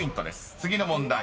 ［次の問題